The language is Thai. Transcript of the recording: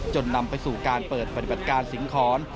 นำไปสู่การเปิดปฏิบัติการสิงหอน